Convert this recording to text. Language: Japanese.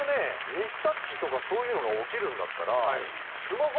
ミスタッチとかそういうのが起きるんだったら。